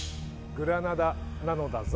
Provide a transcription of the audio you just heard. グラナダなのだぞ。